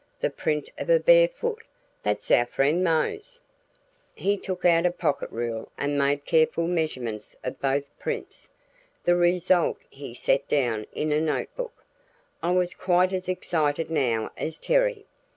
The print of a bare foot that's our friend, Mose." He took out a pocket rule and made careful measurements of both prints; the result he set down in a note book. I was quite as excited now as Terry.